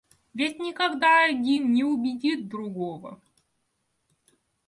Ведь никогда один не убедит другого.